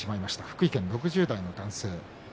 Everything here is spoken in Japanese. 福井県の６０代の男性。